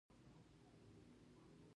خرما د وینې فشار کموي.